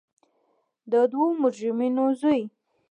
د دوو مجرمینو زوی.